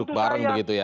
duduk bareng begitu ya